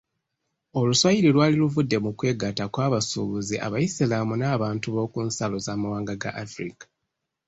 Oluswayiri lwali luvudde mu kwegatta kw'abasuubuzi abayisiraamu n'abantu b'oku nsalo z'amawanga ga Africa.